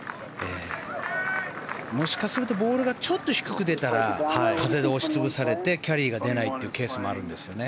もしかするとボールがちょっと低く出たら風で押し潰されて、キャリーが出ないケースもあるんですよね。